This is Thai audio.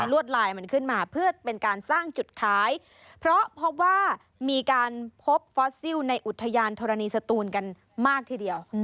วดลายมันขึ้นมาเพื่อเป็นการสร้างจุดขายเพราะพบว่ามีการพบฟอสซิลในอุทยานธรณีสตูนกันมากทีเดียว